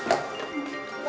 apaan sih kok